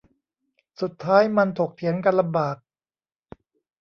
สุดท้ายมันถกเถียงกันลำบาก